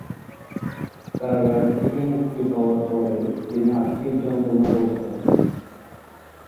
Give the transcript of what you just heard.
কারাগার থেকে মুক্তি পাওয়ার পরে, তিনি আর্থিক যন্ত্রণা ভোগ করেন।